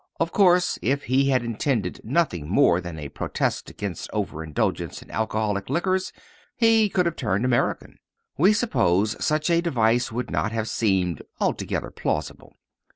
Of course, if he had intended nothing more than a protest against overindulgence in alcoholic liquors he could have turned American. We suppose such a device would not have seemed altogether plausible.